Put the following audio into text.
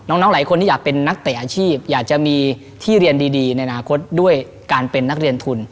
น้องหลายคนที่อยากเป็นนักเตะอาชีพอยากจะมีที่เรียนดีในอนาคตด้วยการเป็นนักเรียนทุน